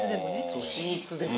そう寝室でも。